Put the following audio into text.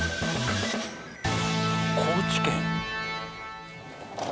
高知県。